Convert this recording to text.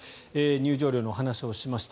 入場料のお話をしました。